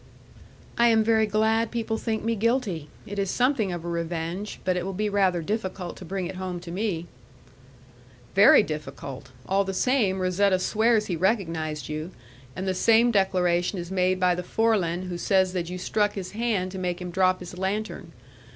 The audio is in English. "I am very glad people think me guilty; it is something of a revenge, but it will be rather difficult to bring it home to me." "Very difficult! All the same, Razetta swears he recognized you, and the same declaration is made by the Forlan who says that you struck his hand to make him drop his lantern.